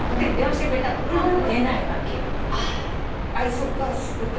忙しくて？